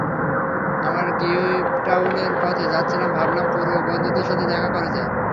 আমরা গিবটাউনের পথে যাচ্ছিলাম, ভাবলাম পুরোনো বন্ধুদের সাথে দেখা করে যাই।